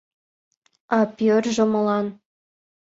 — А Пьерожо молан?